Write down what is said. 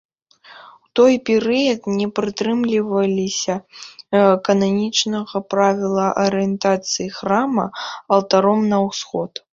У той перыяд не прытрымліваліся кананічнага правіла арыентацыі храма алтаром на ўсход.